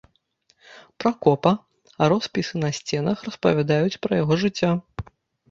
Пракопа, а роспісы на сцэнах распавядаюць пра яго жыццё.